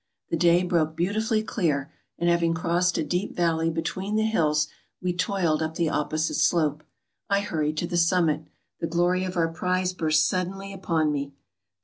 The day broke beautifully clear, and having crossed a deep valley between the hills, we toiled up the opposite slope. I hurried to the summit. The glory of our prize burst suddenly upon me